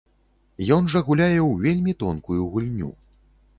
Ён жа гуляе ў вельмі тонкую гульню.